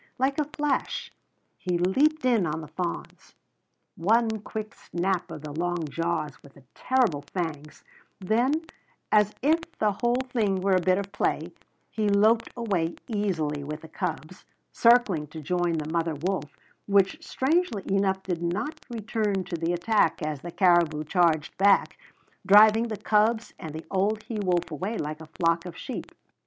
Like a flash he leaped in on the fawns. One quick snap of the long jaws with the terrible fangs; then, as if the whole thing were a bit of play, he loped away easily with the cubs, circling to join the mother wolf, which strangely enough did not return to the attack as the caribou charged back, driving the cubs and the old he wolf away like a flock of sheep.